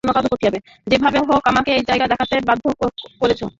যেভাবে হোক আমাকে এই জায়গা দেখাতে বাধ্য করেছ।